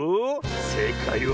せいかいは。